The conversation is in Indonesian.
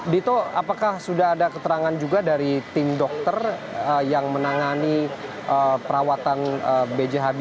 dito apakah sudah ada keterangan juga dari tim dokter yang menangani perawatan bjb